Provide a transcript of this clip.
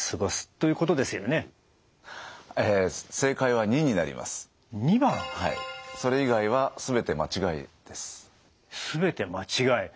はいそれ以外は全て間違いです。